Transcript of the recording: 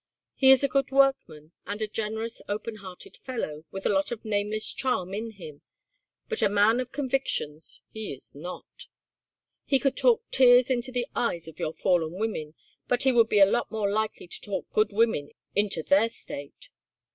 He is a good workman and a generous, open hearted fellow with a lot of nameless charm in him, but a man of convictions he is not. He could talk tears into the eyes of your fallen women, but he would be a lot more likely to talk good women into their state."